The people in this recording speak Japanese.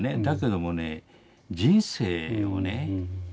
だけどもね人生をね